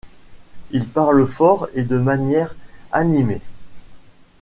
Ils parlent fort, et de manière animée.